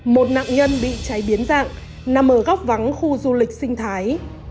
một nạn nhân bị cháy biến dạng nằm ở góc vắng khu du lịch sinh thái